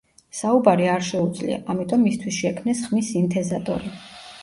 საუბარი არ შეუძლია, ამიტომ მისთვის შექმნეს ხმის სინთეზატორი.